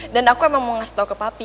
dan aku emang mau ngasih tau ke papi